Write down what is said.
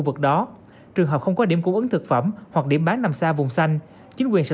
vượt đó trường hợp không có điểm cung ứng thực phẩm hoặc điểm bán nằm xa vùng xanh chính quyền sẽ